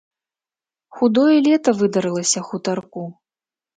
Худое лета выдарылася хутарку.